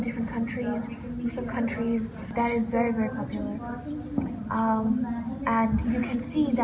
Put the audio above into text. dan anda bisa lihat bahwa setiap nasionalitas berada di area yang sedikit berbeda